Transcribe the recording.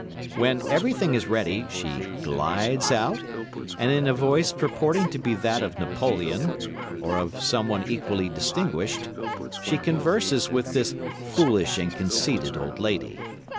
When everything is ready, she glides out, and in a voice purporting to be that of Napoleon, or of someone equally distinguished, she converses with this foolish and conceited old lady.